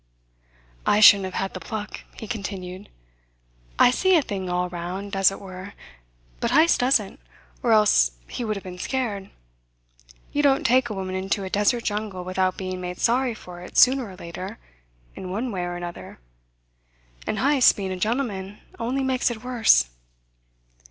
"I shouldn't have had the pluck," he continued. "I see a thing all round, as it were; but Heyst doesn't, or else he would have been scared. You don't take a woman into a desert jungle without being made sorry for it sooner or later, in one way or another; and Heyst being a gentleman only makes it worse."